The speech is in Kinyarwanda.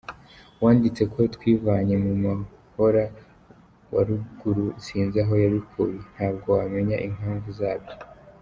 Uwanditse ko twivanye mu muhora wa ruguru sinzi aho yabikuye… ntabwo wamenya impamvu zabyo.